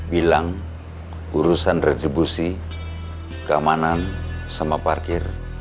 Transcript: bilang urusan retribusi keamanan sama parkir